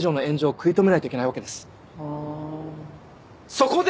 そこで！